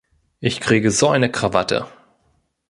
Ich kriege so eine Krawatte.